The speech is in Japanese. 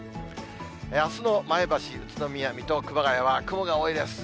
あすの前橋、宇都宮、水戸、熊谷は、雲が多いです。